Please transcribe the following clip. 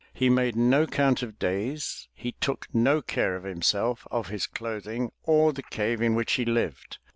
He made no count of days, he took no care of himself, of his clothing, or the cave in which he lived.